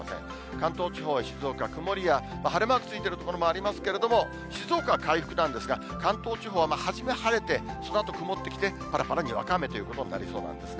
関東地方、静岡、曇りや、晴れマークついている所もありますけれども、静岡は回復なんですが、関東地方は初め晴れて、そのあと曇ってきて、ぱらぱら、にわか雨ということになりそうなんですね。